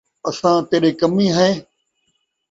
اساں تیݙے کمی ہیں؟